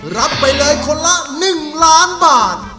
รับไปเลยคนละ๑ล้านบาท